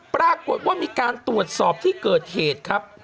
ปรากฏว่ามีการตรวจสอบที่เกิดเหตุครับ